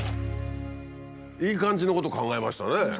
いい感じのこと考えましたね。